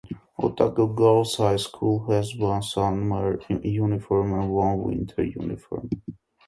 Otago Girls' High School has one summer uniform and one winter uniform.